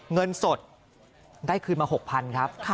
เงินสดได้คืนมา๖๐๐๐ครับ